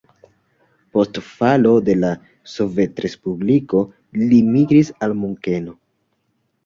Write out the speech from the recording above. Post falo de la Sovetrespubliko li migris al Munkeno.